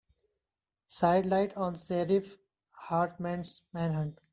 Sidelights on Sheriff Hartman's manhunt.